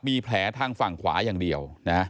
มีแผลทางฝั่งขวายังเดียว